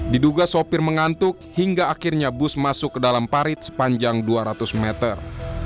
diduga sopir mengantuk hingga akhirnya bus masuk ke dalam parit sepanjang dua ratus meter